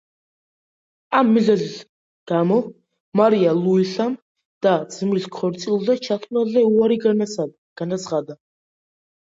ამ მიზეზების გამო მარია ლუისამ და-ძმის ქორწილზე ჩასვლაზე უარი განაცხადა.